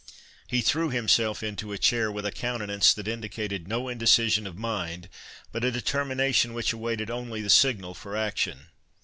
He threw himself into a chair, with a countenance that indicated no indecision of mind, but a determination which awaited only the signal for action.